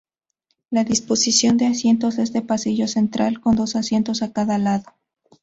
La disposición de asientos es de pasillo central, con dos asientos a cada lado.